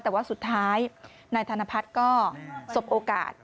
แต่ว่าสุดท้ายนายธนพัฒน์ก็สบโอกาส